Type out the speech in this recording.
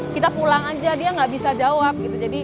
kita pulang aja dia gak bisa jawab